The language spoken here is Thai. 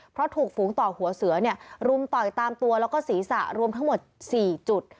เพราะถูกฝูงต่อหัวเสือรุมต่อยตามตัวแล้วก็ศีรษะรวมทั้งหมด๔จุด